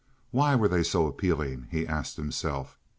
Why were they so appealing, he asked himself.